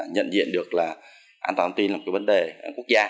nhận diện được là an toàn thông tin là một cái vấn đề quốc gia